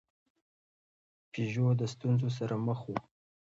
پژو د ستونزو سره مخ و.